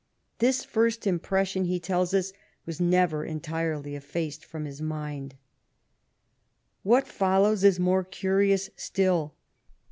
This first impression, he tells us, was never entirely effaced from his mind. What follows is more curious still.